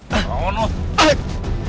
kau mau noh